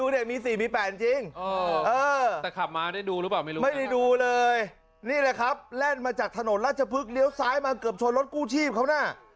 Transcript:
นี่แหละครับแร่มมาจากถนนราชพฤษเลี้ยวซ้ายมาเกือบชนรถกู้ชีพเข้าหน้า